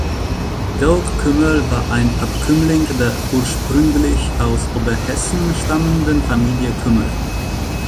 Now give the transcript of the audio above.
Georg Kümmel war ein Abkömmling der ursprünglich aus Oberhessen stammenden Familie Kümmel.